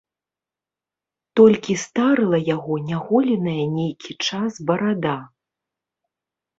Толькі старыла яго няголеная нейкі час барада.